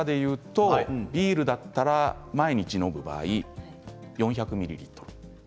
ビールだったら毎日飲む場合４００ミリリットル